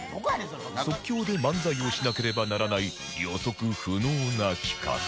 即興で漫才をしなければならない予測不能な企画